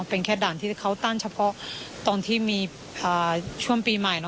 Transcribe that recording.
เป็นแค่ด่านที่เขาตั้งเฉพาะตอนที่มีช่วงปีใหม่